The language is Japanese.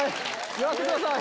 やらせてください！